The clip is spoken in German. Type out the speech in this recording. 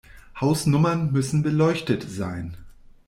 Hausnummern müssen beleuchtet sein.